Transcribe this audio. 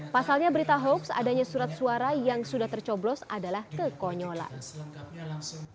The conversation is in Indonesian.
pasalnya berita hoax adanya surat suara yang sudah tercoblos adalah kekonyolan